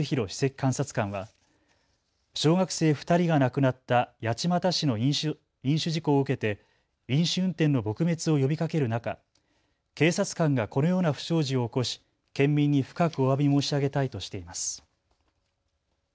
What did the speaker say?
監察官は小学生２人が亡くなった八街市の飲酒事故を受けて飲酒運転の撲滅を呼びかける中、警察官がこのような不祥事を起こし県民に深くおわび申し上げたいとしています。